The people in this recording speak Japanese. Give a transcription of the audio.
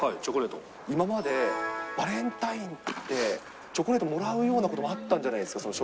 今まで、バレンタインって、チョコレートもらうようなことあったんじゃないですか？